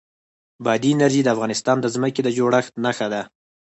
بادي انرژي د افغانستان د ځمکې د جوړښت نښه ده.